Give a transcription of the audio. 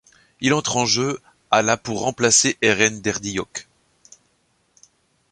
Il entre en jeu à la pour remplacer Eren Derdiyok.